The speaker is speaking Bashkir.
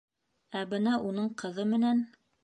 Ә бына уның ҡыҙы менән...